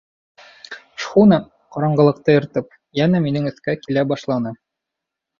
Шхуна, ҡараңғылыҡты йыртып, йәнә минең өҫкә килә башланы.